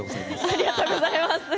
ありがとうございます。